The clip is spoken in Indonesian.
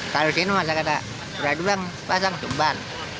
kalau di sini masa kata berapa duit bang pasang jemban